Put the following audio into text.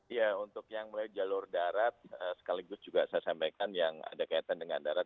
iya untuk yang melalui jalur darat sekaligus juga saya sampaikan yang ada kaitan dengan darat